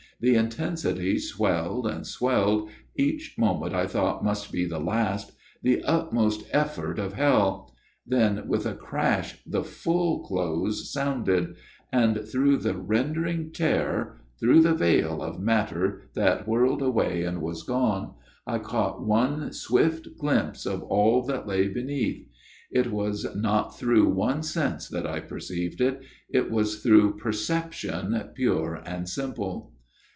The intensity swelled and swelled each moment I thought must be the last the utmost effort of hell. Then with a crash the full close sounded ; and through the rending tear through the veil FATHER GIRDLESTONE'S TALE 133 of matter that whirled away and was gone I caught one swift glimpse of all that lay beneath. It was not through one sense that I perceived it ; it was through perception pure and simple.